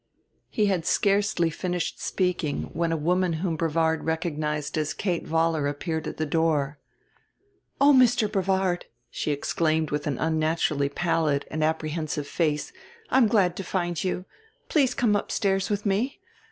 He had scarcely finished speaking when a woman whom Brevard recognized as Kate Vollar appeared at the door. "Oh, Mr. Brevard!" she exclaimed with an unnaturally pallid and apprehensive face. "I'm glad to find you. Please come upstairs with me.